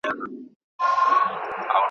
نو زه د هغوی د نومونو له ذکرولو څخه ډډه کوم `